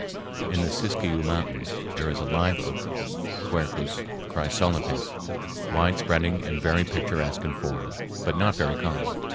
In the Siskiyou Mountains there is a live oak (Q. chrysolepis), wide spreading and very picturesque in form, but not very common.